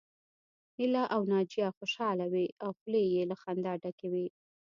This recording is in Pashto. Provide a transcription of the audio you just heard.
هيله او ناجيه خوشحاله وې او خولې يې له خندا ډکې وې